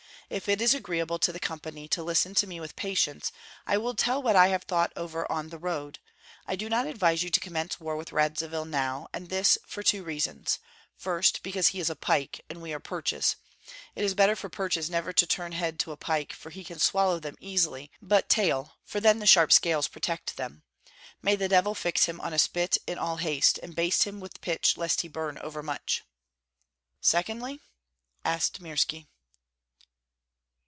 "If it is agreeable to the company to listen to me with patience, I will tell what I have thought over on the road. I do not advise you to commence war with Radzivill now, and this for two reasons: first, because he is a pike and we are perches. It is better for perches never to turn head to a pike, for he can swallow them easily, but tail, for then the sharp scales protect them. May the devil fix him on a spit in all haste, and baste him with pitch lest he burn overmuch." "Secondly?" asked Mirski.